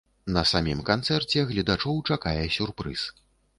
На самім канцэрце гледачоў чакае сюрпрыз.